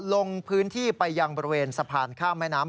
ลงพื้นที่ไปยังบริเวณสะพานข้ามแม่น้ำ